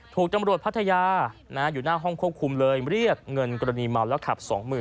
ถูกตำรวจพัทยาอยู่หน้าห้องควบคุมเลยเรียกเงินกรณีเมาแล้วขับ๒๐๐๐